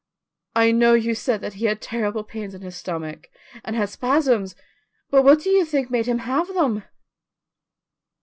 "I know you said that he had terrible pains in his stomach, and had spasms, but what do you think made him have them?"